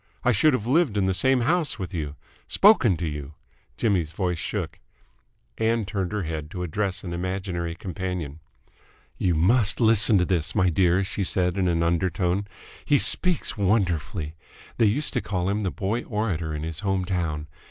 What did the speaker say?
I should have lived in the same house with you, spoken to you !" Jimmy's voice shook. Ann turned her head to address an imaginary companion. "You must listen to this, my dear," she said in an undertone. "He speaks wonderfully! They used to call him the Boy Orator in his home town.